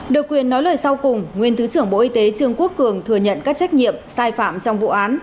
được quyền nói lời sau cùng nguyên thứ trưởng bộ y tế trương quốc cường thừa nhận các trách nhiệm sai phạm trong vụ án